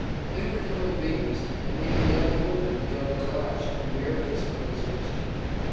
They were human beings, and even the unwounded began to collapse from mere physical exhaustion.